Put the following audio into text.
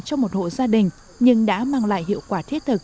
cho một hộ gia đình nhưng đã mang lại hiệu quả thiết thực